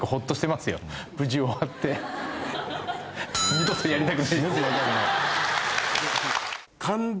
二度とやりたくない。